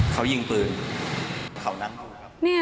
เขายิงปืน